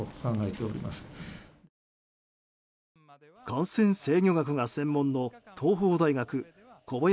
感染制御学が専門の東邦大学、小林寅